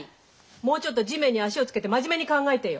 もうちょっと地面に足を着けて真面目に考えてよ。